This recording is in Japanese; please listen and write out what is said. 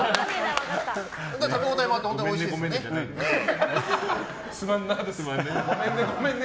食べ応えもあって本当においしいんですよね。